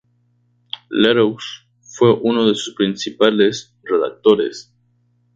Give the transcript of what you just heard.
Leroux fue uno de sus principales redactores.